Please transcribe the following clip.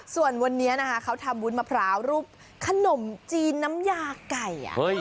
ส่วนวันนี้นะคะเขาทำวุ้นมะพร้าวรูปขนมจีนน้ำยาไก่